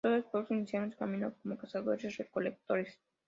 Todos los pueblos iniciaron su camino como cazadores-recolectores.